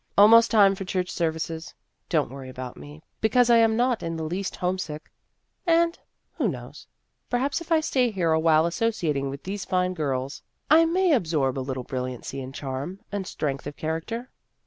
" Almost time for church services. Don't worry about me, because I am not in the least homesick. And who knows ? perhaps if I stay here awhile associating with these fine girls, I may absorb a little brilliancy and charm and strength of char acter.